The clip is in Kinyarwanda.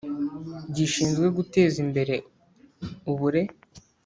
Gishinzwe Guteza Imbere ubure